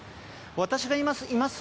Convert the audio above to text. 私がいます